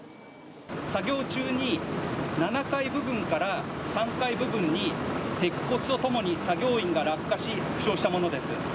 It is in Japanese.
作業中に７階部分から３階部分に、鉄骨とともに作業員が落下し、負傷したものです。